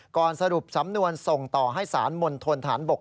สรุปสำนวนส่งต่อให้สารมณฑนฐานบก